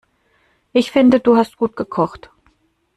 Ich finde, du hast gut gekocht.